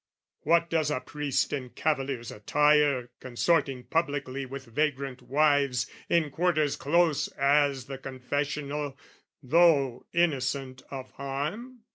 "What does a priest in cavalier's attire "Consorting publicly with vagrant wives "In quarters close as the confessional "Though innocent of harm?